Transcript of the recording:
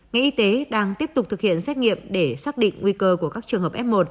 ngành y tế đang tiếp tục thực hiện xét nghiệm để xác định nguy cơ của các trường hợp f một